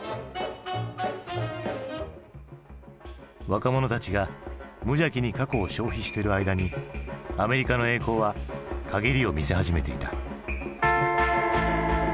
若者たちが無邪気に過去を消費してる間にアメリカの栄光は陰りを見せ始めていた。